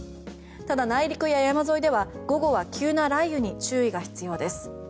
ただ、内陸や山沿いでは、午後は急な雷雨に注意が必要です。